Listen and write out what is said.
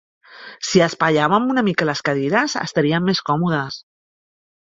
Si espaiàvem una mica les cadires, estaríem més còmodes.